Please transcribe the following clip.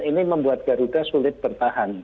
ini membuat garuda sulit bertahan